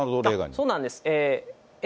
そうなんです。